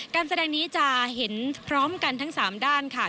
การแสดงนี้จะเห็นพร้อมกันทั้ง๓ด้านค่ะ